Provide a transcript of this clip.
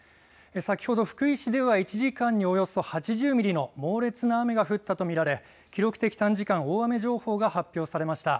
先ほど福井市では１時間におよそ８０ミリの猛烈な雨が降ったと見られ記録的短時間大雨情報が発表されました。